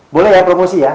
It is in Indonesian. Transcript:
boleh ya promosi ya